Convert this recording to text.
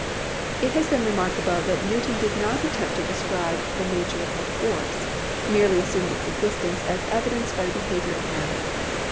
It has been remarked above that Newton did not attempt to describe the nature of force; he merely assumed its existence as evidenced by the behavior of matter.